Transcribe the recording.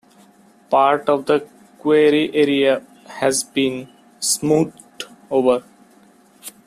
Part of the quarry area has been smoothed over.